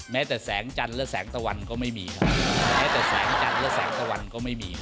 แม้แต่แสงจันทร์และแสงตะวันก็ไม่มีข้อ